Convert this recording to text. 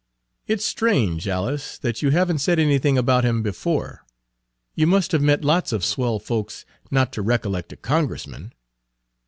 "It 's strange, Alice, that you have n't said anything about him before. You must have met lots of swell folks not to recollect a Congressman."